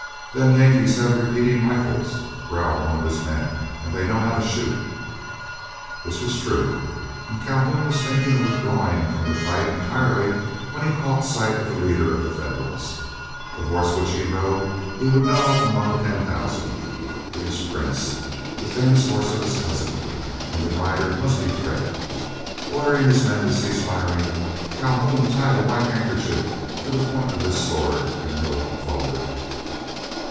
"Them Yankees have repeating rifles," growled one of his men, "and they know how to shoot." This was true, and Calhoun was thinking of withdrawing from the fight entirely, when he caught sight of the leader of the Federals. The horse which he rode he would know among ten thousand. It was Prince, the famous horse of his cousin, and the rider must be Fred. Ordering his men to cease firing, Calhoun tied a white handkerchief to the point of his sword, and rode forward.